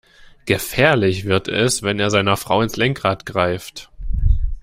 Gefährlich wird es, wenn er seiner Frau ins Lenkrad greift.